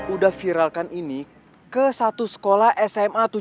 udah viralkan ini ke satu sekolah sma tujuh ratus dua belas